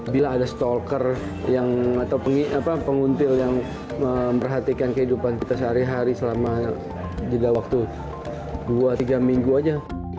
bila ada stalker atau penguntil yang memperhatikan kehidupan kita sehari hari selama jeda waktu dua tiga minggu aja